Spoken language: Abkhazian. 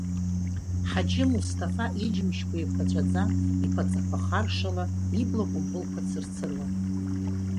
Ҳаџьы Мусҭафа иџьымшьқәа еиқәаҵәаӡа, иԥаҵақәа харшала, ибла кәымпылқәа цырцыруан.